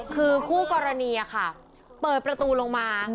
คือคู่กรณีค่ะเปิดประตูลงมา